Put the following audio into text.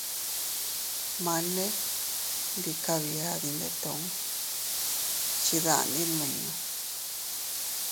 Mane ndi kabia dindetuu, a chidandi nmiñu.